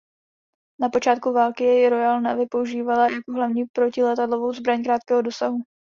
Na počátku války jej Royal Navy používala jako hlavní protiletadlovou zbraň krátkého dosahu.